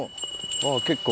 あぁ結構。